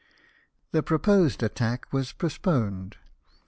The proposed attack was postponed.